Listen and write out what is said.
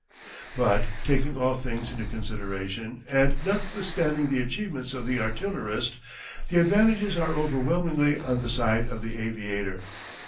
But, taking all things into consideration, and notwithstanding the achievements of the artillerist, the advantages are overwhelmingly on the side of the aviator.